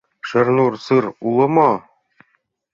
Шернур сыр уло мо?